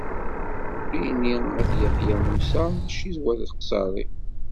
Ini At Yeḥya Musa mačči Wad Qsaṛi.